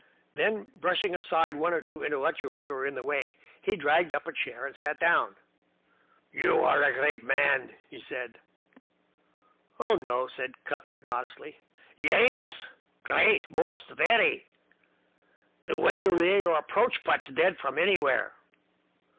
Then, brushing aside one or two intellectuals who were in the way, he dragged up a chair and sat down. "You are a great man!" he said. "Oh, no," said Cuthbert modestly. "Yais! Great. Most! Very! The way you lay your approach putts dead from anywhere!"